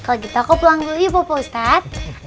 kalo gitu aku pulang dulu yuk pak ustadz